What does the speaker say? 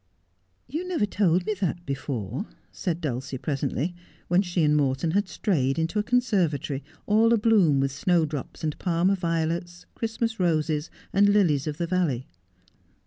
' You never told me that before,' said Dulcie presently, when she and Morton had strayed into a conservatory all abloom with snowdrops and Parma violets, Christmas roses, and lilies of the valley.